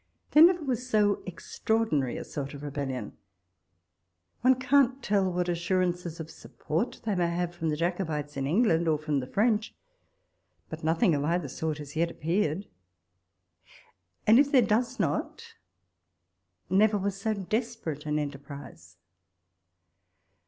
There never was so extraordinary a sort of rebellion. One can't tell what assurances of support they may have from the Jacobites in England, or from the French ; but nothing of either sort has yet ap peared — and if there does not, never was so desperate an enterprise.